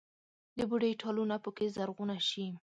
د بوډۍ ټالونه پکښې زرغونه شي